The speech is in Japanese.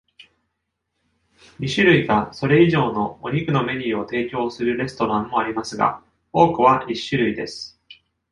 二種類かそれ以上のお肉のメニューを提供するレストランもありますが、多くは一種類です。